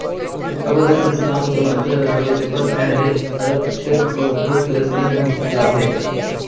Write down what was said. قبل از اسلام دور جب اہل عرب شرک اور بت پرستی میں مبتلا تھے